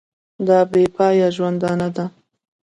دا بې پایه ژوندانه ده.